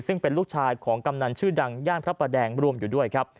ซึ่งเป็นลูกชายของกำนันชื่อดังย่านพระประแดงรวมอยู่ด้วยครับ